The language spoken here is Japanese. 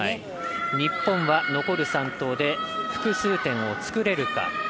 日本は残る３投で複数点を作れるか。